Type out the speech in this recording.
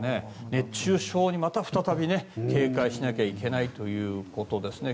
熱中症にまた再び警戒しなきゃいけないということですね。